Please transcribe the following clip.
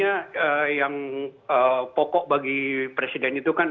ya sebetulnya yang pokok bagi presiden itu kan